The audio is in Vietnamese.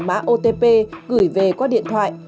mã otp gửi về qua điện thoại